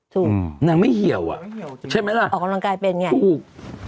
ถูกนางไม่เหี่ยวอ่ะใช่ไหมล่ะออกกำลังกายเป็นไงถูก